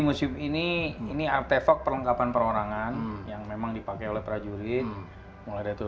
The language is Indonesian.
museum ini ini artefak perlengkapan perorangan yang memang dipakai oleh prajurit mulai dari